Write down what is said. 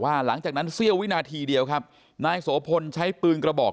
หลังจากนั้นเสี้ยววินาทีเดียวครับนายโสพลใช้ปืนกระบอก